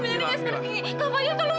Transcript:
fadil tolong jelasin